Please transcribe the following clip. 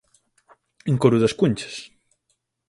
Encoro das Conchas.